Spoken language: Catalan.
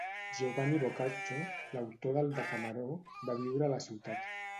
Giovanni Boccaccio, l'autor del Decameró, va viure a la ciutat.